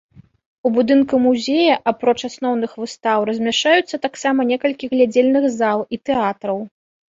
У будынку музея, апроч асноўных выстаў, размяшчаюцца таксама некалькі глядзельных зал і тэатраў.